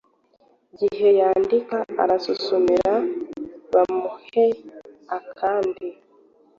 gihe yandika arasusumira bamuhe akandi